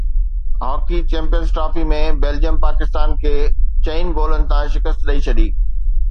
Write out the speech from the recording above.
hockey champions trophy ۾ Belgium Pakistan کي چئن گولن تان شڪست ڏئي ڇڏي